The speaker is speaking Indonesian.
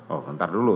oh ntar dulu